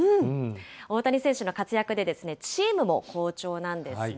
大谷選手の活躍でチームも好調なんですね。